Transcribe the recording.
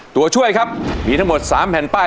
ตัวช่วยครับมีทั้งหมด๓แผ่นป้าย